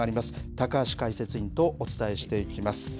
高橋解説委員とお伝えしていきます。